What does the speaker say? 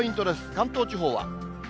関東地方は。